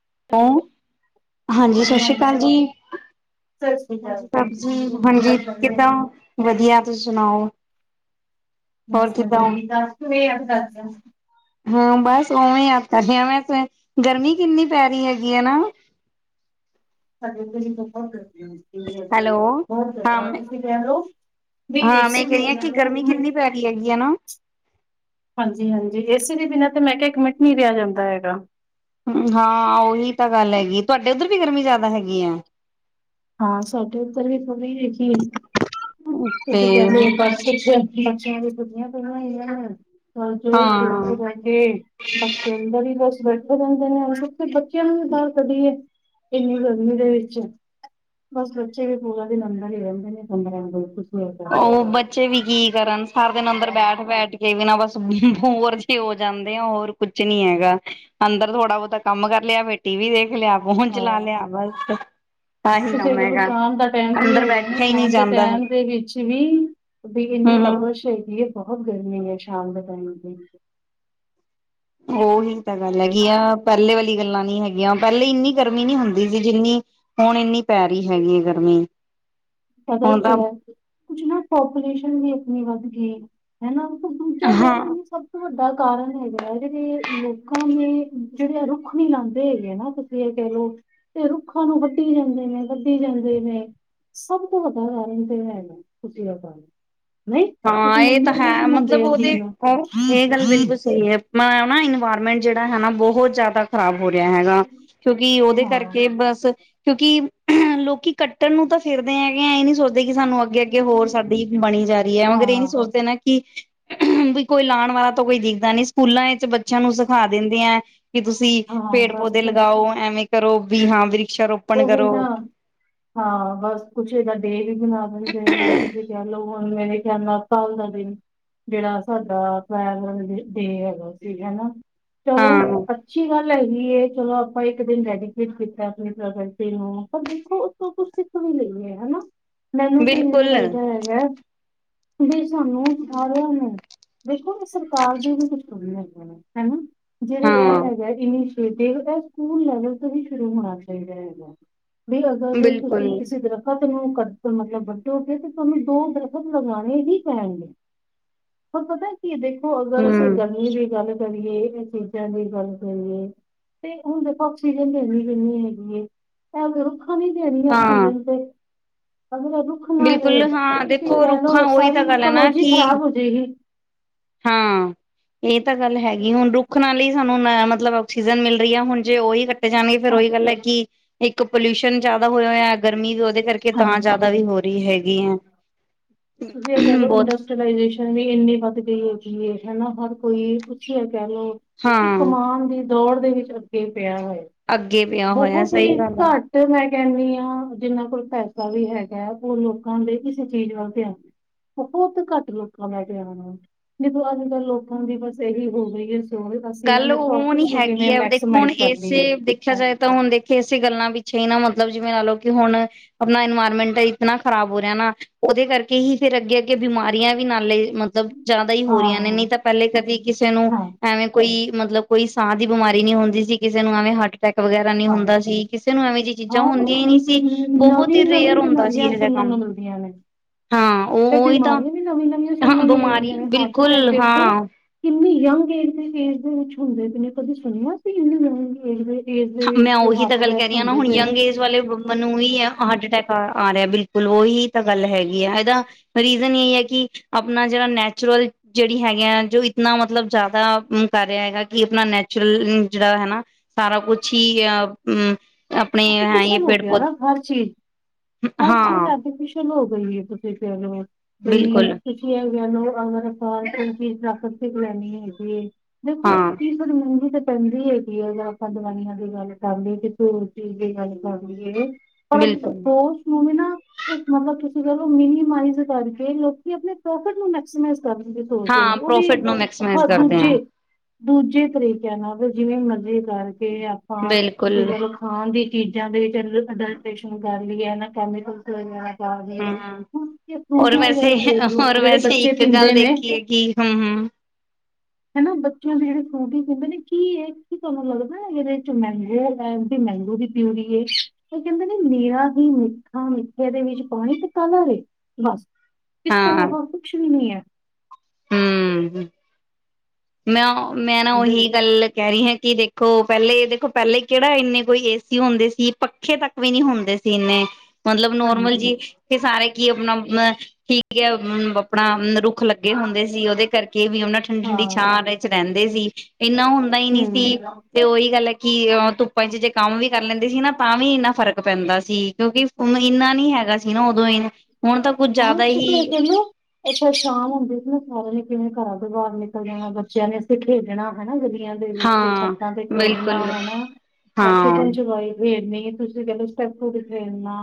[inaudible] Hello, ਹਾਂਜੀ, ਸਤਿ ਸ੍ਰੀ ਅਕਾਲ ਜੀ, ਸਤਿ ਸ਼੍ਰੀ ਹਾਂਜੀ ਅਕਾਲ ਭਾਬੀ ਜੀ, ਹੋਰ ਕੀ ਹਾਂਜੀ, ਹਾਲ ਚਾਲ ਹੈ? ਕਿੱਦਾਂ ਵਧੀਆ ਤੁਸੀਂ ਸੁਣਾਓ? ਹੋਰ ਬਸ [inaudible] ਕਿੱਦਾਂ ਹੋ? [unintelligible] ਹਾਂ, ਬਸ ਓਵੇਂ ਯਾਦ ਕਰਦੇ ਮੈਂ, ਗਰਮੀ ਕਿੰਨੀ ਪੈ ਰਹੀ ਹੈਗੀ ਹੈ ਨਾ। [unintelligible] ਹੈਲੋ, ਬਹੁਤ ਹਾਂ ਮੈਂ ਤੁਸੀਂ ਕਹਿ ਲਓ ਵੀ ਹਾਂ ਏਸੀ ਮੈਂ ਕਹਿ ਰਹੀ ਹਾਂ ਬਿਨਾਂ ਕਿ ਗਰਮੀ ਕਿੰਨੀ ਹਾਂਜੀ- ਪੈ ਰਹੀ ਹੈਗੀ ਹੈ ਨਾ। ਹਾਂਜੀ ਏਸੀ ਦੇ ਬਿੰਨਾਂ ਤੇ ਮੈਂ ਕਿਹਾ, ਇੱਕ ਮਿੰਟ ਨਹੀਂ ਰਿਹਾ ਜਾਂਦਾ ਹੈਗਾ। ਹਾਂ, ਉਹੀ ਤਾਂ ਗੱਲ ਹੈਗੀ ਤੁਹਾਡੇ ਉੱਧਰ ਵੀ ਗਰਮੀ ਜ਼ਿਆਦਾ ਹੈਗੀ ਐ। ਹਾਂ, ਸਾਡੇ ਉੱਧਰ ਵੀ ਥੋੜੀ ਹੈਗੀ ਏ। ਤੇ ਤੁਸੀ ਕਹਿੰਦੇ, ਬਸ ਕਿੱਥੇ ਬੱਚੀਆਂ ਦੀ ਦੁਨੀਆਂ ਬਣਾਈ ਆ। [inaudible] ਦਿਨੇ ਹਾਂ -ਦਿਨੇ ਆਂਦੇ। ਬੱਚਿਆਂ ਨੂੰ ਬਾਰ ਕੱਢੀਏ। ਇੰਨੀ ਗਰਮੀ ਦੇ ਵਿੱਚ, ਬਸ ਬੱਚੇ ਵੀ ਪੂਰਾ ਦਿਨ ਅੰਦਰ ਹੀ ਰਹਿੰਦੇ ਨੇ, [inaudible] ਬਿਲਕੁਲ ਉਹੀ, ਬੱਚੇ ਵੀ ਕੀ ਕਰਨ ਸਰ ਦਿਨ ਅੰਦਰ ਬੈਠ ਬੈਠ ਕੇ ਵੀ ਨਾ ਬਸ ਹੂੰ ਹੋਰ ਜੀ ਹੋਰ ਜਾਂਦੇ ਆ ਹੋਰ ਕੁਛ ਨੀ ਹੈਗਾ, ਅੰਦਰ ਥੋੜਾ ਬਹੁਤਾ ਕੰਮ ਕਰ ਲਿਆ ਫਿਰ ਟੀ ਵੀ ਦੇਖ ਖ ਲਿਆ ਹੁਣ ਚਲਾਣੇ ਹਾਂ ਆ ਬਸ ਆਹੀ ਤੁਸੀਂ ਕੰਮ ਕਹਿ ਲੋ ਹੈਗਾ ਸ਼ਾਮ ਦਾ ਟੈਮ ਵੀ ਅੰਦਰ ਹੈਗਾ ਨਾ, ਬੈਠਿਆ ਹੀ ਨਹੀਂ ਸ਼ਾਮ ਦੇ ਜਾਂਦਾ ਹੈ ਟੈਮ ਦੇ ਵਿੱਚ ਵੀਂ, ਵੀ ਇੰਨੀ ਹੂੰ। ਤਬ ਸ਼ੇਕਦੀ ਹੈ, ਬਹੁਤ ਗਰਮੀ ਹੈ ਸ਼ਾਮ ਦੇ ਟਾਈਮ ਵਿਚ ਉਹੀ, ਗੱਲ ਹੈਗੀ ਆ, ਪਹਿਲੇ ਵਾਲੀ ਗੱਲਾਂ ਨੀ ਹੈਗੀਆਂ, ਪਹਿਲੇ ਇੰਨੀ ਗਰਮੀ ਨੀ ਹੁੰਦੀ ਸੀ ਜਿੰਨੀ ਹੁਣ ਇੰਨੀ ਪੈ ਰਹੀ ਹੈਗੀ ਹੈ ਗਰਮੀ ਪਤਾ ਹੁਣ ਕਿ ਆ ਤਾਂ ਨਾ ਕੁਛ ਨਾ ਪਾਪੂਲੇਸ਼ਨ ਵੀ ਏਨੀ ਵੱਧ ਗਈ, ਹੈਨਾ, ਦੂਜਾ, ਮੈਂ ਹਾਂ ਜਿੰਨੀ ਸਭ ਤੋਂ ਵੱਡਾ ਕਾਰਨ ਹੈਗਾ ਹੈ ਜਿਹੜੇ, ਲੋਕਾਂ ਨੇ, ਜਿਹੜੇ ਆ ਰੁੱਖ ਨੀ ਲਾਉਂਦੇ ਹੈਗੇ ਨਾ ਤੁਸੀਂ ਇਹ ਕਹਿ ਲਓ ਤੇ ਰੁੱਖਾਂ ਨੂੰ ਵੱਢੀ ਜਾਂਦੇ ਨੇ, ਵੱਢੀ ਜਾਂਦੇ ਨੇ, ਸਭ ਤੋਂ ਵੱਡਾ ਕਾਰਨ ਤੇ ਹੈ ਖੁਸ਼ੀ ਦਾ ਪਲ- ਹਾਂ, ਇਹ ਤਾਂ ਹੈ ਮਤਲਬ ਚੀਜ਼ ਉਹਦੇ, ਨੂੰ ਉਹ ਇਹ ਗੱਲ ਬਿਲਕੁਲ ਸਹੀ ਹੈ ਮਨਾ ਇਨਵਾਇਰਮੈਂਟ ਜਿਹੜਾ ਹੈ ਨਾ, ਬਹੁਤ ਜ਼ਿਆਦਾ ਖਰਾਬ ਹੋ ਰਿਹਾ ਹੈਗਾ, ਕਿਉਂਕਿ ਉਹਦੇ ਹਾਂ ਕਰਕੇ ਬਸ ਕਿਉਂਕਿ [unintelligible] ਲੋਕੀ ਕੱਟਣ ਨੂੰ ਤਾਂ ਫਿਰਦੇ ਹੈਗੇ ਆ ਇਹ ਨੀ ਸੋਚਦੇ ਕੀ ਸਾਨੂੰ ਅੱਗੇ- ਅੱਗੇ ਹੋਰ ਸਾਡੀ ਬਣੀ ਜਾਏ। ਮਗਰ [inaudible] ਇਹ ਨੀ ਹਾਂ ਸੋਚਦੇ ਨਾ ਕਿ [unintelligible] ਵੀ ਕੋਈ ਲਾਉਣ ਵਾਲਾ ਤਾਂ ਕੋਈ ਦੇਖਦਾ ਨੀ ਸਕੂਲਾਂ ਵਿੱਚ ਬ ਬੱਚਿਆਂ ਨੂੰ ਸਿਖਾ ਦਿੰਦੇ ਹੈ ਕਿ ਤੁਸੀਂ ਹਾਂ ਪੇੜ ਬਸ ਪੌਦੇ ਲਗਾਓ ਐਵੇਂ ਕਰੋ ਵੀ ਹਾਂ ਵੀ ਉਹੀ ਨਾ ਹਾਂ ਬਸ ਕੁਛ ਇਹਦਾ ਡੇ ਵੀ ਬਣਾ ਦਿੰਦੇ ਨੇ ਤੁਸੀਂ ਕਹਿ ਲਓ ਮੇਰੇ ਖਿਆਲ ਨਾਲ ਕੱਲ ਦਾ ਦਿਨ ਜਿਹੜਾ ਸਾਡਾ ਫੈਮਲੀ ਡੇ ਹੈਗਾ ਸੀ ਹਨਾ ਹਾਂ ਚਲੋ ਅੱਛੀ ਗੱਲ ਲਗੀ ਇਹ ਚਲੋ ਆਪਾਂ ਇੱਕ ਦਿਨ ਰੈਡੀ ਜ਼ਰਾ ਫਟੇ ਨੂੰ ਪਰ ਦੇਖੋ ਉਸਤੋਂ ਕੁਛ ਸਿੱਖ ਵੀ ਲਈ ਹੈ ਹਨਾ ਮੈਨੂੰ ਕੀ ਹੈ ਬਿਲਕੁਲ ਹਮ ਜਿਹੜੇ ਹਾਂ ਇਹ ਹੈਗਾ ਇੰਨੀ ਦੇ ਤਾਂ ਸਕੂਲ ਲੈਵਲ ਤੋਂ ਹੀ ਸ਼ੁਰੂ ਹੋਣਾ ਸੀ ਹੈਗੇਗਾ ਵੀ ਅਗਰ ਬਿਲਕੁਲ ਤੁਸੀਂ ਕਿਸੇ ਦਰਖਤ ਨੂੰ ਕੱਟੋ ਮਤਲਬ ਵੱਟੇ ਕੇ ਤੇ ਤੁਹਾਨੂੰ ਦੋ ਦਰਫ਼ਸ ਲਗਾਉਣੇ ਹੀ ਪੈਣਗੇ ਹੋਰ ਪਤਾ ਕੀ ਇਹ ਦੇਖ ਅਗਰ ਅਸੀਂ ਹਮ ਗਰਮੀ ਦੀ ਗੱਲ ਕਰੀਏ ਇਹ ਚੀਜ਼ਾਂ ਦੀ ਗੱਲ ਕਰੀਏ ਤੇ ਹੁਣ ਦੇਖੋ ਆਕਸੀਜਨ ਲੈਣੀ ਪਹਨੀ ਹੈਗੀ ਜੇ ਤਾਂ ਦੇਣੀ ਹਾਂ ਆਕਸੀਜਨ ਤੇ ਅਗਰ ਰੁੱਖ ਨਾ ਬਿਲਕੁਲ ਰਹੇ ਹਾਂ ਤੁਸੀਂ ਦੇਖੋ ਕਹਿ ਰੁੱਖਾਂ ਲਓ ਉਹੀ ਤਾਂ ਸਾਰੀ ਗੱਲ ਹੈ ਨਾ ਇਕੋਲੋਜੀ ਕਿ ਖ਼ਰਾਬ ਹੋ ਜਾਏਗੀ ਹਾਂ ਇਹ ਤਾਂ ਗੱਲ ਹੈਗੀ ਹੁਣ ਰੁੱਖ ਨਾਲ ਹੀ ਸਾਨੂੰ ਮਤਲਬ ਆਕਸੀਜਨ ਮਿਲ ਹੁਣ ਜੇ ਉਹੀ ਕੱਟੇ ਜਾਣਗੇ ਫ਼ਿਰ ਹਾਂ ਉਹੀ ਗੱਲ ਹੈ ਕਿ ਇੱਕ ਪੋਲਊਸ਼ਨ ਜਿਆਦਾ ਹੋਇ ਹੋ ਆ ਗਰਮੀ ਵੀ ਉਹਦੇ ਕਰਕੇ ਤਾਂ ਹਾਂਜੀ। ਜ਼ਿਆਦਾ ਵੀ ਹੋ ਰਹੀ ਹੈਗੀ ਹੈ ਤੁਸੀਂ ਇਹ ਕਹਿ ਲਓ ਬਹੁਤ ਇੰਡਸਟਰੀਲਾਈਜੇਸ਼ਨ ਵੀ ਇੰਨੀ ਵੱਧ ਗਈ ਹੈ ਹਨਾ ਹਰ ਕੋਈ ਪੁੱਛ ਕਹਿਣੇ ਤੇ ਹਾਂ ਕਮਾਨ ਦੇ ਦੌੜ ਦੇ ਵਿੱਚ ਅੱਗੇ ਪਿਆ ਹੋ ਅੱਗੇ ਪਿਆ ਹੋਇਆ ਬਹੁਤ ਹੀ ਸਹੀ ਗੱਲ ਆ ਘੱਟ ਮੈਂ ਕਹਿੰਦੀ ਹਾਂ ਜਿੰਨਾਂ ਕੋਲ ਪੈਸੇ ਉਹ ਵੀ ਹੈਗਾ ਹੁਣ ਲੋਕਾਂ ਦਾ ਕਿਸੇ ਚੀਜ਼ ਵੱਲ ਧਿਆਨ ਬਹੁਤ ਘੱਟ ਲੋਕਾਂ ਦਾ ਧਿਆਨ ਆ ਦੇਖੋ ਅੱਜ ਕੱਲ ਲੋਕਾਂ ਦੀ ਬਸ ਇਹੀ ਹੋ ਗਈ ਹੈ ਸੋਚ ਅਸੀਂ ਗੱਲ ਆਪਣੇ ਉਹ ਨੀ ਪ੍ਰੋਫਿਟਸ ਨੂੰ ਹੈਗੀ ਕਿਵੇਂ ਹੈ ਦੇਖੋ ਹੁਣ ਮੈਕਸੀਮਾਈਜ਼ ਕਰ ਇਸੇ ਲਈਏ ਦੇਖਿਆ ਹਾਂ ਜਾਏ ਤਾਂ ਹੁਣ ਦੇਖੇ ਇਸੇ ਗੱਲਾਂ ਪਿੱਛੇ ਹੀ ਨਾ ਮਤਲਬ ਮਤਲਬ ਜਿਵੇਂ ਲਾ ਲਓ ਕਿ ਹੁਣ ਆਪਣਾ ਇਨਵਾਇਰਮੈਂਟ ਇਤਨਾ ਖ਼ਰਾਬ ਹੋ ਰਿਹਾ ਨਾ ਉਹਦੇ ਕਰਕੇ ਹੀ ਫੇਿਰ ਅੱਗੇ ਅੱਗੇ ਬਿਮਾਰੀਆਂ ਵੀ ਨਾਲੇ ਮਤਲਬ ਜ਼ਿਆਦਾ ਹੀ ਹੋ ਰਹੀਆਂ ਨੇ ਨਹੀਂ ਹਾਂ ਤਾਂ ਪਹਿਲੇ ਕਦੀ ਕਿਸੇ ਨੂੰ ਹਾਂ ਐਵੇਂ ਮਤਲਬ ਕੋਈ ਸਾਹ ਦੀ ਬਿਮਾਰੀ ਨੀ ਹੁੰਦੀ ਸੀ ਕਿਸੇ ਨੂੰ ਐਵੇਂ ਹੱਟ ਹਾਂ ਚੀਜ਼ਾਂ ਆਾਂ ਹੁੰਦੀਆਂ ਹੀ ਨਹੀਂ ਸੀ ਬਹੁਤ ਹੀ ਨਵੀਂ ਰੇਅਰ ਨਵੀਂ ਹੁੰਦਾ ਸੀ ਬਿਮਾਰੀਆਂ ਇਹ ਜਿਹਾ ਸੁਣਨ ਨੂੰ ਕੰਮ ਮਿਲਦੀਆਂ ਨੇ ਹਾਂ ਉਹ ਉਹੀ ਤਾਂ ਬਿਮਾਰੀਆਂ ਵੀ ਨਵੀਂ ਨਵੀਆਂ ਹਾਂ ਸੁਣਨ ਨੂੰ ਮਿਲਦੀਆਂ ਬਿਮਾਰੀ ਨੇ ਹਾਰਟ ਅਟੈਕ ਬਿਲਕੁਲ ਦੇਖੋ ਹਾਂ ਕਿੰਨੀ ਯੰਗ ਏਜ ਦੀ ਕੁਛ ਹੁੰਦੇ ਵੀ ਨੇ ਕਦੇ ਸੁਣਨਾ ਸੀ ਇੇਦੇ ਹ ਮੈਂ ਉਹੀ ਤਾਂ ਗੱਲ ਕਹਿ ਰਹੀ ਹਾਂ ਨਾ ਹੁਣ ਯੰਗ ਏਜ ਵਾਲੇ ਮੈਨੂੰ ਉਹੀ ਆ ਹਾਰਟ ਅਟੈਕ ਆ ਰਿਹਾ ਬਿਲਕੁਲ ਉਹੀ ਤਾਂ ਗੱਲ ਹੈਗੀ ਆ ਇਹਦਾ ਰੀਜ਼ਨ ਇਹਹੀ ਹੈ ਕਿ ਆਪਣਾ ਜਿਹੜਾ ਨੈਚੁਰਲ ਜਿਹੜੀ ਹੈਗੀ ਆ ਜੋ ਇਤਨਾ ਮਤਲਬ ਜ਼ਿਆਦਾ ਕਰ ਰਿਹਾ ਹੈਗਾ ਕਿ ਆਪਣਾ ਨੈਚੁਰਲ ਜਿਹੜਾ ਹੈ ਨਾ ਸਾਰਾ ਕੁਛ [inaudible] ਹੈ ਇਹ ਆਰਟੀਫਿਸ਼ਲ ਹੋ ਪੇੜ ਗਿਆ ਨਾ ਪੌਦੇ ਹਰ ਚੀਜ਼ ਹਰ ਚੀਜ਼ ਹਾਂ ਆਰਟੀਫਿਸ਼ਲ ਹੋ ਗਈਏ ਤੁਸੀਂ ਫੇਰ [unintelligible] [unintelligible] ਬਿਲਕੁਲ ਹਾਂ ਦੇਖੋ ਕੀ [unintelligible] ਚਾਹੀਦੀ ਹੈਗੀ ਆ ਜਾਂ ਆਪਾਂ ਦਵਾਈਆਂ ਦੀ ਗੱਲ ਕਰਦੇ [unintelligible] ਜਾਂ ਗੱਲ ਕਰ ਲਈਏ ਪਰ ਬਿਲਕੁਲ [unintelligible] ਨੂੰ ਵੀ ਨਾ ਮਤਲਬ ਮਿਨੀਮਾਈਜ਼ ਕਰਕੇ ਲੋਕੀ ਆਪਣੇ ਪ੍ਰੋਫਿਟ ਨੂੰ ਮੈਕਸੀਮਾਈਜ ਕਰਨ ਦੀ ਸੋਚਦੇ ਨੇ ਹਾਂ ਉਹ ਵੀ ਪ੍ਰੋਫਿਟ ਨੂੰ ਮੈਕਸੀਮਾਈਜ਼ ਹਾਂ ਕਰਦੇ ਹੈ ਦੂਜੇ ਦੂਜੇ ਤਰੀਕਿਆਂ ਨਾਲ ਜਿਵੇਂ ਮਜ਼ੇ ਕਰਕੇ ਆਪਾਂ ਤੁਸੀਂ ਬਿਲਕੁਲ ਕਹਿ ਲਓ। ਦੀ ਚੀਜ਼ਾਂ ਦੇ ਵਿੱਚ [unintelligible] ਹੂੰ, ਹੋਰ ਫਰੂਟੀ ਵਗੈਰਾ ਵੈਸੇ ਹੀ ਦੇਖ ਲਓ ਹੋਰ ਜਿਹੜੇ ਵੈਸੇ ਬੱਚੇ ਇੱਕ ਗੱਲ ਪੀਂਦੇ ਨੇ ਦੇਖੀਏ ਕਿ ਹੂੰ ਹੂੰ। ਹਨਾ ਬੱਚਿਆਂ ਦੇ ਜਿਹੜੇ ਫਰੂਟੀ ਪੀਦੇ ਨੇ ਕੀ ਹੈ ਕੀ ਤੁਹਾਨੂੰ ਲੱਗਦਾ ਇਹਦੇ ਚ [unintelligible] ਮੈਗੋ ਦੀ ਪਿਊਲੀ ਉਹ ਕਹਿੰਦੇ ਨੇ ਨੀਰਾ ਹੀ ਮਿੱਠਾ ਮਿੱਠੇ ਦੇ ਵਿੱਚ ਪਾਣੀ ਤੇ [unintelligible] ਇਸ ਤੋਂ ਹਾਂ ਇਲਾਵਾ ਕੁੱਛ ਵੀ ਨਹੀਂ ਹੈ ਹੂੰ ਮੈਂ ਮੈਂ ਨਾ ਉਹੀ ਗੱਲ ਕਹਿ ਰਹੀ ਹਾਂ ਕਿ ਦੇਖੋ ਪਹਿਲੇ ਦੇਖੋ ਪਹਿਲੇ ਕਿਹੜਾ ਇੰਨੇ ਕੋਈ ਏਸੀ ਹੁੰਦੇ ਸੀ ਪੱਖੇ ਤੱਕ ਵੀ ਨੀ ਹੁੰਦੇ ਸੀ ਇੰਨੇ ਮਤਲਬ ਨੋਰਮਲ ਹਾਂਜੀ ਜੀ ਤੇ ਸਾਰੇ ਕੀ ਆਪਣਾ ਅ ਠੀਕ ਹੈ ਆਪਣਾ ਰੁੱਖ ਲੱਗੇ ਹੁੰਦੇ ਸੀ ਉਹਦੇ ਕਰਕੇ ਵੀ ਉਹਨਾਂ ਠੰਡੀ ਹਾਂ ਠੰਡੀ ਛਾਂ ਵਿੱਚ ਰਹਿੰਦੇ ਸੀ। ਇੰਨਾ ਹੁੰਦਾ ਹੀ ਨਹੀਂ ਸੀ ਹੂੰ ਤੇ ਉਹੀ ਗੱਲ ਹੈ। ਕਿ ਧੁੱਪਾਂ ਚ ਕੰਮ ਵੀ ਕਰ ਲੈਂਦੇ ਸੀ ਨਾ ਤਾਂ ਵੀ ਇੰਨਾ ਫਰਕ ਪੈਂਦਾ ਸੀ ਕਿਉਂਕਿ ਓਨੂੰ ਇਨਾ ਨੀ ਹੈਗਾ ਸੀ ਨਾ ਉਦੋਂ ਹੀ ਹੁਣ ਤਾਂ ਕੁੱਝ ਹਾਂ, ਜ਼ਿਆਦਾ ਕਿਕਣਾ ਗੱਲ ਇਥੇ ਸ਼ਾਮ ਹੁੰਦੀ ਉਹ ਨੇ ਕਿਵੇਂ ਘਰਾਂ ਤੋਂ ਬਾਹਰ ਨਿਕਲ ਜਾਣਾ ਬੱਚਿਆਂ ਨੇ ਇੱਥੇ ਖੇਡਣਾ ਹਨਾ ਗਲੀ ਦੇ ਵਿੱਚ ਹਾਂ ਛੱਤਾਂ ਤੇ ਖੇਡਣਾ ਬਿਲਕੁਲ ਹੈਨਾ ਹਾਂ ਸ਼ੁਪਨ ਛਪਾਈ ਖੇਡਣੀ ਤੁਸੀਂ ਕਹਿਲਓ ਸਟੈਪੂ ਖੇਲਣਾ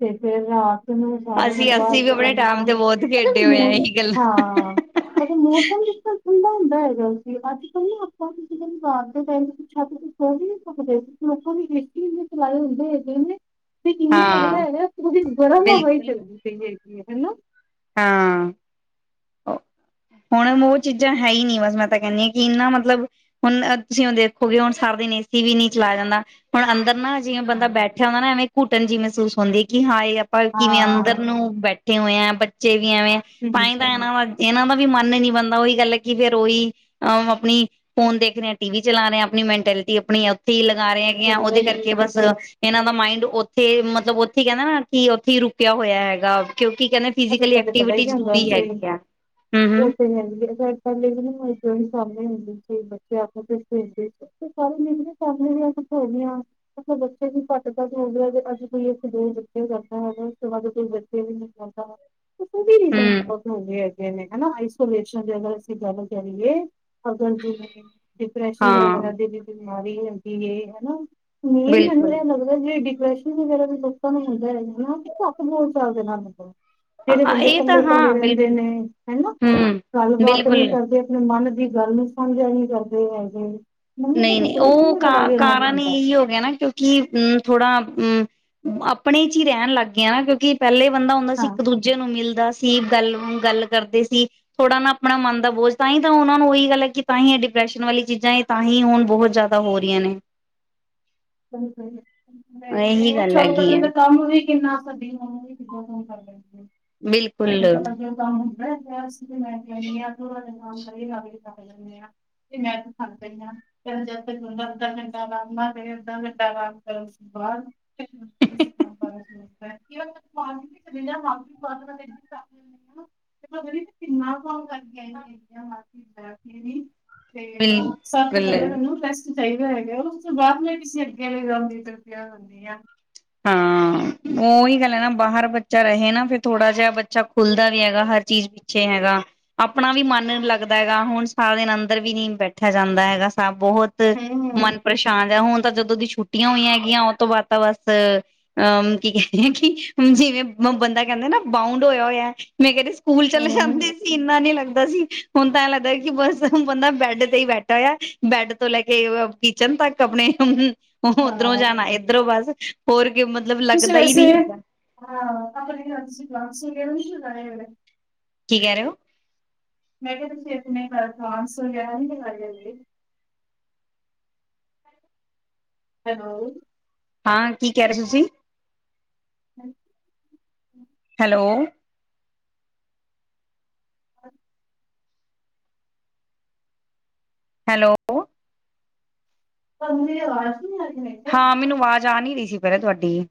ਤੇ ਫੇਰ ਰਾਤ ਪਹਿਲਾ ਸਾਰਿਆਂ ਨੂੰ ਅਸੀਂ ਅਸੀਂ ਵੀ ਆਪਣੇ ਕਰਨਾ ਟਾਈਮ ਤੇ ਬਹੁਤ ਖੇਡੇ ਹੋਏ ਆ ਪ ਇਹੀ ਗੱਲਾਂ। ਹਾਂ ਅੱਜ ਮੌਸਮ ਕਿਦਾ ਦਾ ਹੁੰਦਾ ਹੁੰਦਾ ਹੈਗਾ ਸੀ ਅੱਜ ਕੱਲ ਆਪਾਂ ਤੁਂ ਕਦੇ ਬਾਹਰ ਦੇ ਟੈਮ ਛੱਤ ਤੇ ਸੌ ਗਏ ਨਾ ਕਿਤੇ ਲੋਕਾਂ ਨੇ ਏ ਸੀ ਐਨੇ ਚਲਾਏ ਹੁੰਦੇ ਹੈਗੇ ਨੇ ਤੇ ਇੂੰ ਲਗਦਾ ਹਾਂ ਹੈਗਾ ਪੂਰੀ ਗਰਮ ਹਵਾ ਬਿਲਕੁਲ ਚੱਲਦੀ ਵਗੀ ਹੈ ਹਨਾ ਹਾਂ ਹੁਣ ਉਹ ਚੀਜ਼ਾਂ ਹੈ ਹੀ ਨੀ ਬਸ ਮੈਂ ਤਾਂ ਕਹਿੰਦੀ ਹਾਂ ਕਿ ਇੰਨਾ ਮਤਲਬ ਹੁਣ ਤੁਸੀਂ ਹ ਦੇਖੋਗੇ ਹੁਣ ਸਾਰਾ ਦਿਨ ਏਸੀ ਵੀ ਨਹੀਂ ਚਲਾ ਜਾਂਦਾ ਹੁਣ ਅੰਦਰ ਨਾ ਜਿਵੇਂ ਬੰਦਾ ਹਾਂ ਬੈਠਿਆ ਹੁੰਦਾ ਨਾ ਐਵੇਂ ਘੁਟਣ ਜੀ ਮਹਿ ਮਹਿਸੂਸ ਹੁੰਦੇ ਕਿ ਹਾਏ ਆਪਾਂ ਕਿਵੇਂ ਹਾਂ ਅੰਦਰ ਨੂੰ ਬੈਠ ਇਕੱਠੇ ਹੋਏ ਆ ਚੇ ਵੇ ਤਾਂ ਹੂੰ ਹੀ ਏਨਾ ਨੂੰ ਵਾ ਇਹਨਾਂ ਦਾ ਵੀ ਮਨ ਨੀ ਬਣਦਾ ਉਹੀ ਗੱਲ ਹੈ ਕਿ ਫੇਿਰ ਉਹੀ ਅਹ ਆਪਣੀ ਫੋਨ ਦੇਖ ਰਹੇਹਾ ਟੀ ਵੀ ਚਲਾ ਰਿਹੇ ਆਪਣੀ ਮੈਂਟੈਲਿਟੀ ਆਪਣੀ ਆ ਲਗਾ ਰਹੇ ਹੈਗੇ ਆ ਪਤਾ ਉਹਦੇ ਹੀ ਕੀ ਕਰਕੇ ਬਸ ਇਹਨਾਂ ਦਾ ਮਾਇੰਡ ਉੱਥੇ ਮਤਲਬ ਉੱਥੇ ਕਹਿੰਦੇ ਨਾ ਕਿ ਉੱਥੇ ਹੀ ਰੁਕਿਆ ਹੋਇਆ ਹੈਗਾ ਕਿਉਂਕਿ ਕ ਅਜ ਕਲੇ ਪਤਾ ਹੀ ਆਉਂਦਾ ਸਹੀ ਹਮ ਹਮ ਉਹ ਤੇ ਹੈ ਵੀ ਨ ਮ ਸਾਹਮਣੇ ਹੁੰਦੀ ਸੀ ਬੱਚੇ ਆਪ ਸਾਰੇ ਨਦੇ ਸਾਹਮਣੇ ਵੀ ਅਦੇ ਹ ਬੱਚੇ ਵੀ ਘੱਟ ਤੱਕਦੇ ਆ ਤੇ ਅੱਜ ਕੋਈ ਇੱਕ ਦੋ ਬੱਚੇ ਜਾਂਦਾ ਹੈਗਾ ਉਸ ਤੋਂ ਬਾਅਦ ਕੋਈ ਬੱਚੇ ਵੀ ਨ ਹਾਂ ਵੀ ਰੀ ਹੂੰ, ਆਪਾਂਾਉਂਦੇ ਆ ਨੇ ਹਨਾ ਆਈਸੋਲੇਸ਼ਨ ਦੀ ਅਗਰ ਅਸੀਂ ਗੱਲ ਕਰੀਏ ਅਗਰ ਜੀ ਨੇ ਡਿਪਰੈਸ਼ਨ ਹਾਂ ਵਗੈਰਾ ਡੇਲੀ ਬਿਮਾਰੀ ਹੁੰਦੀ ਹਨਾ ਮੇਨ ਮੈਂਨੂੰ ਬਿਲਕੁਲ ਏ ਲੱਗਦਾ ਜ ਪ੍ਰੇਸ਼ਰ ਵਗੈਰਾ ਵੀ ਲੋਕਾਂ ਨੂੰ ਹੁੰਦਾ ਰਹਿੰਦਾ ਾਂ ਚੱ ਬਹੁ ਚੱਲਦੇ ਨੂੰ ਕੋ ਮੇਰੇ ਬੰਦੇ ਇਹ ਤਾਂ ਕਲੇ ਕਲੇ ਹਾਂ ਰਹਿੰਦੇ ਬਿਲਕੁਲ ਨੇ ਹਨਾ ਹੂੰ, ਗੱਲਬਾਤ ਬਿਲਕੁਲ ਨਹੀਂ ਕਰਦੇ ਆਪਣੇ ਮਨ ਗੱਲ ਨੂੰ ਸਮਝਿਆ ਨੀ ਕਰਦੇ ਹੈਗੇ ਮੰਮੀ ਤਾਂ ਨਹੀਂ ਨਹੀਂ ਡਿਪਰੈਸ਼ਨ ਉਹ ਵਗੈਰਾ ਵੀ ਉਹਨਾਂ ਦੇ ਕਾਰਨ ਹੁੰਦਾ। ਇਹੀ ਹੋ ਗਿਆ ਨਾ ਕਿਉਂਕਿ ਥੋੜਾ ਹ ਮ ਆਪਣੇ ਚ ਹੀ ਰਹਿਣ ਲੱਗ ਗਏ ਨਾ ਕਿਉਂਕਿ ਪਹਿਲੇ ਬੰਦਾ ਹੁੰਦਾ ਸੀ ਹਾਂ। ਇੱਕ ਦੂਜੇ ਨੂੰ ਮਿਲਦਾ ਸੀ। ਕੀ ਗੱਲ ਗੱਲ ਕਰਦੇ ਸੀ ਥੋੜ੍ਹਾ ਨਾ ਆਪਣਾ ਮਨ ਦਾ ਬੋਝ ਤਾਂ ਹੀ ਤਾਂ ਉਹਨਾਂ ਨੂੰ ਉਹੀ ਗੱਲ ਹੈ ਕਿ ਤਾਂ ਹੀ ਇਹ ਡਿਪਰੈਸ਼ਨ ਵਾਲੀ ਚੀਜ਼ਾਂ ਤਾਂ ਹੀ ਹੁਣ ਬਹੁਤ ਜ਼ਿਆਦਾ ਹੋ ਰਹੀਆਂ ਨੇ। [unintelligible] ਚਲੋ ਇਹੀ ਗੱਲ ਹੈਗੀ ਪਹਿਲੇ ਹੈ ਤਾਂ ਕੰਮ ਵੀ ਕਿੰਨਾ ਸਡੀ [unintelligible] ਕਿੱਦਾਂ ਗੱਲ ਕਰ ਲੈਣ। ਬਿਲਕੁਲ। ਮੈਂ ਕਿਹਾ ਸੀ ਮੈਂ ਕਹਿਨੀ ਹਾਂ ਥੋੜਾ ਜਿਹਾ ਅਰਾਮ ਕਰ ਲਈਏ [unintelligible] ਤੇ ਮੈਂ ਥੱਕ ਪਈ ਹਾਂ ਕਿੰ ਜਦ ਤਕ ਬੰਦਾ ਅੱਧਾ ਘੰਟਾ ਅਰਾਮ ਨਾ ਕਰੇ [unintelligible] ਅੱਧਾ ਮਿੰਟ ਦਾ ਆਰਾਮ ਕਰਣ ਤੋ ਬਾਅਦ। [unintelligible] [unintelligible] ਮੈਂ ਕਿਹਾ ਤੁਹਾਨੂੰ ਟੀਂਡਿਆ ਬਣਾ [unintelligible] ਕਿੰਨਾ ਕੰਮ ਕਰ [unintelligible] [unintelligible] ਬੀ ਬੈਕ ਕਲੀਨਿੰਗ। [unintelligible] ਤੇ ਬਿਲ ਸਭ ਤੋਂ ਪਹਿਲਾਂ ਬਿਲ ਤੁੈਨੂੰ ਰਿਕੁਐਸਟ ਕੀ [unintelligible] ਚਾਹੀਦਾ ਹੈਗਾ ਉਸ ਤੋਂ ਬਾਅਦ ਮੈਂ ਕਿਸੇ ਅੱਗੇ ਦੇ ਗਵਾਂਡੀ ਦੀ ਇਧਰ ਰਿਪੀਅਰ ਹੁੰਦੀ ਆ। [unintelligible] ਹਾਂ ਉਹੀ ਗੱਲ ਹੈ ਨਾ ਬਾਹਰ ਬੱਚਾ ਰਹੇ ਨਾ ਫਿਰ ਥੋੜਾ ਜਿਹਾ ਬੱਚਾ ਖੁੱਲਦਾ ਵੀ ਹੈਗਾ ਹਰ ਚੀਜ਼ ਪਿੱਛੇ ਹੈਗਾ ਆਪਣਾ ਵੀ ਮਨ ਲੱਗਦਾ ਹੈਗਾ ਹੁਣ ਸਾਰਾ ਦਿਨ ਅੰਦਰ ਵੀ ਨਹੀਂ ਬੈਠਿਆ ਜਾਂਦਾ ਹੈਗਾ ਸਭ ਬਹੁਤ ਹੂੰ ਮਨ ਪਰੇਸ਼ਾਨ ਜਿਹਾ ਹੁਣ ਤਾਂ ਜਦੋਂ ਦੀ ਛੁਟੀਆਂ ਹੋਈਆਂ ਹੈਗੀਆਂ ਉਹ ਤੋਂ ਬਾਅਦ ਬਸ ਅ ਕੀ ਕਹਿੰਦੇ ਆ ਕਿ ਜਿਵੇਂ ਬੰਦਾ ਕਹਿੰਦੇ ਨਾ ਬਾਊਂਡ ਹੋਇਆ ਹੋਇਆ ਮੈਂ ਕਹਿੰਦੀ ਸੀ ਸਕੂਲ ਚਲੇ ਹੂੰ ਜਾਂਦੇ ਸੀ ਇੰਨਾ ਨਹੀਂ ਲੱਗਦਾ। ਸੀ ਹੁਣ ਤਾਂ ਐ ਲੱਗਦਾ ਕਿ ਬਸ ਬੰਦਾ ਬੈਡ ਤੇ ਹੀ ਬੈਠਾ ਹੋ ਬੈਡ ਤੋਂ ਲੈ ਕੇ ਕਿਚਨ ਤੱਕ ਆਪਣੇ ਉਹ ਹਾਂ ਉੱਧਰੋਂ ਜਾਣਾ ਇੱਧਰੋਂ ਬਸ ਹੋਰ। ਕਿ ਮਤਲਬ ਤੁਸੀਂ ਲੱਗਦਾ ਹੀ ਨਹੀਂ ਵੈਸੇ ਹੈਗਾ ਹਾਂ [inaudible] [unintelligible] ਕੀ ਕਹਿ ਰਹੇ ਹੋ। ਮੈਂ ਕਿਹਾ ਤੁਸੀਂ ਇਤਨੇ ਕਰ [unintelligible] ਹੈਲੋ। ਹਾਂ ਕੀ ਕਹਿ ਰਹੇ ਸੀ ਤੁਸੀਂ। ਹਮ ਹੈਲੋ। [inaudible] ਹੈਲੋ। [unintelligible] ਆਵਾਜ਼ ਨਹੀਂ ਆ ਰਹੀ ਮੈਂ ਕਿਹਾ ਹਾਂ ਮੈਨੂੰ ਆਵਾਜ਼। ਜਾ ਨਹੀਂ ਰਹੀ ਸੀ ਪਹਿਲਾਂ ਤੁਹਾਡੀ।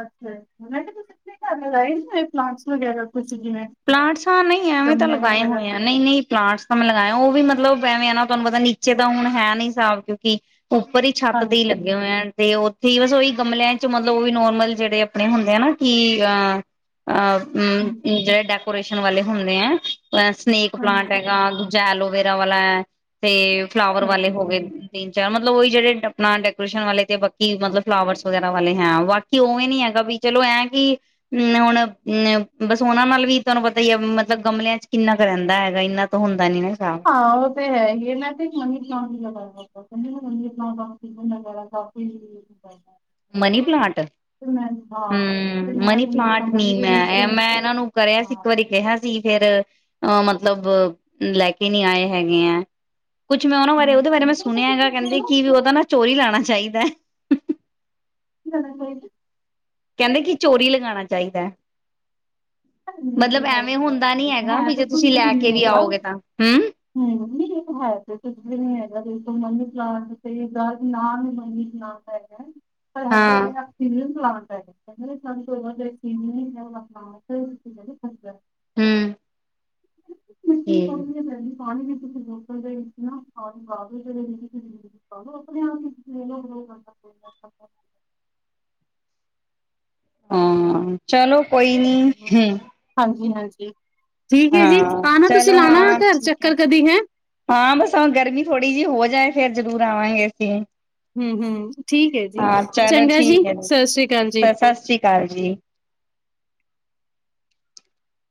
ਅੱਛਾ ਮੈਂ ਕਿਹਾ ਤੁਸੀਂ ਆਪਣੇ ਘਰ ਲਗਾਏ ਨਹੀ ਹੋਏ ਪਲਾਂਟਸ ਵਗੈਰਾ ਕੁਛ। ਜਿਵੇਂ ਪਲਾਂਟਸਾਲ ਨਹੀਂ ਐਵੇਂ ਤਾਂ ਗਮਲੇ ਲਗਾਏ ਵਗੈਰਾ ਹੋਈਆਂ ਨਹੀਂ ਨਹੀਂ ਪਲਾਂਟਸ ਤਾਂ ਮੈਂ ਲਗਾਇਆ [unintelligible] ਉਹ ਵੀ ਮਤਲਬ ਪੈਣੀ ਤੁਹਾਨੂੰ ਪਤਾ ਨੀਚੇ ਤਾਂ ਹੁਣ ਹੈ ਨਹੀਂ ਸਾਫ ਕਿਉਂਕਿ [unintelligible] ਉਪਰ ਛੱਤ ਤੇ ਹਾਂਜੀ ਲੱਗੀਆਂ ਹੋਏ ਨੇ ਦਿ ਬਸ ਉਹੀ ਗਮਲਿਆਂ ਚ ਮਤਲਬ ਉਹ ਵੀ ਨੋਰਮਲ ਜਿਹੜੇ ਆਪਣੇ ਹੁੰਦੇ ਆ ਨਾ ਕਿ ਹਾਂਜੀ [unintelligible] ਵਾਲੇ ਹੁੰਦੇ ਆ ਸਨੇਕ ਪਲਾਂਟ ਹੈਗਾ ਹਾਂਜੀ ਦੂਜਾ ਐਲੋਵੇਰਾ ਵਾਲਾ ਤੇ ਫਲਾਵਰ ਵਾਲੇ ਹੋ ਗਏ ਤਿੰਨ ਚਾਰ ਮ ਉਹੀ ਜਿਹੜੇ ਆਪਣਾ ਡੈਕੋਰੇਸ਼ਨ ਵਾਲੇ ਤੇ ਬਾਕੀ ਮਤਲਬ ਫਲਾਵਰ ਵਗੈਰਾ ਵਾਲੇ ਹੈ ਬਾਕੀ ਉਵੇਂ ਨਹੀਂ ਹੈਗਾ ਵੀ ਚਲੋ ਐ ਕਿ ਹੁਣ ਬਸ ਉਹਨਾਂ ਨਾਲ ਵੀ ਤੁਹਾਨੂੰ ਪਤਾ ਹੀ ਮਤਲਬ ਗਮਲਿਆਂ ਚ ਕਿੰਨਾ ਕੁ ਰਹਿੰਦਾ ਹੈਗਾ ਇਹਨਾਂ ਤੋਂ ਹੁਣ ਆਓ ਤੇ ਹੈ ਮੈਂ ਤੇ ਇਕ ਮਨੀ ਪਲਾਂਟ ਲਗਵਾ [unintelligible] ਮਨੀ ਪਲਾਂਟ, ਹਾਂ ਤੇ ਮੈਂ ਮਨੀ ਆਪਣੇ ਪਲਾਂਟ ਨੀ ਕਮਰੇ ਦੇ ਮੈਂ ਵਿੱਚ ਇਹਨਾਂ ਨੂੰ ਕਰਿਆ ਸੀ ਹਾਂ ਇੱਕ ਵਾਰੀ ਕਿਹਾ ਸੀ। ਫਿਰ ਹਾਂ ਮਤਲਬ ਲੈ ਕੇ ਨਹੀਂ ਆਏ ਹੈਗੇ ਆ। ਕੁਝ ਮੈਂ ਉਹਨੂੰ ਮਾਰੇ ਉਹਦੇ ਬਾਰੇ ਮੈਂ ਸੁਣਿਆ ਹੈਗਾ ਕਹਿੰਦੇ ਕੀ ਉਹਦਾ ਨਾ ਚੋਰੀ ਲਾਣਾ ਚਾਹੀਦਾ। [unintelligible] ਕਹਿੰਦੇ ਕਿ ਚੋਰੀ ਲਗਾਣਾ ਚਾਹੀਦਾ। ਮਤਲਬ ਐਵੇਂ ਹੁੰਦਾ ਨਹੀਂ ਹੈਗਾ ਵੀ ਜੇ ਤੇ ਤੁਸੀਂ ਕੁਛ ਵੀ ਲੈ ਕੇ ਹੀ ਆਓਗੇ ਤਾਂ ਹ [unintelligible] [unintelligible] ਹਾਂ ਸ ਸ ਹੂੰ, ਹ ਮਿੰਨ ਵੀ ਕਰਦੀ ਪੈਦੀ ਪਾਣੀ ਵੀ ਤੁਸੀ ਨਾ ਜਿੰਦ ਆਪਣੇ ਆਪ ਚੱਲੋ, ਕੋਈ ਨੀ ਆਪਾਂ। ਹੂੰ, ਹਾਂਜੀ ਜੀ, ਠੀਕ ਹੈ ਹਾਂ ਆਣਾ ਚਲੋ ਤੁਸੀਂ ਲਾਣਾ ਹਾਂ ਘਰ ਠੀਕ ਹੈ, ਚੱਕਰ ਕਦੀ ਹਾਂ ਬਸ ਗਰਮੀ ਥੋੜੀ ਜਿਹੀ ਹੋ ਜਾਏ ਫੇਰ ਜਰੂਰ ਆਵਾਂਗੇ। ਅਸੀਂ ਹੂੰ-ਹੰ, ਠੀਕ ਐ ਜੀ। ਹਾਂ ਚਲੋ ਚੰਗਾ ਜੀ ਠੀਕ ਹੈ ਸਤਿ ਸ਼੍ਰੀ ਅਕਾਲ ਜੀ। ਸ [unintelligible]